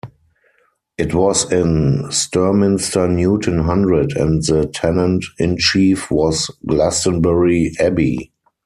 It was in Sturminster Newton Hundred and the tenant-in-chief was Glastonbury Abbey.